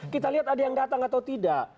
kita lihat ada yang datang atau tidak